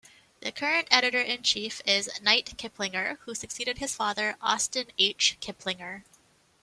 The current editor-in-chief is Knight Kiplinger, who succeeded his father, Austin H. Kiplinger.